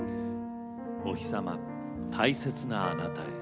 「おひさま大切なあなたへ」。